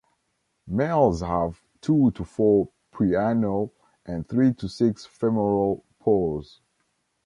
Males have two to four preanal and three to six femoral pores.